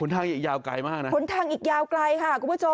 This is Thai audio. ผลทางอีกยาวไกลมากนะคุณผู้ชมผลทางอีกยาวไกลค่ะ